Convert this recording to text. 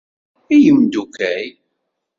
I umeddakkel.